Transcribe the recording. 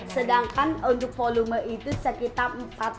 sedangkan untuk volume itu sekitar empat